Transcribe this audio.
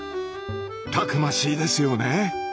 たくましいですよね。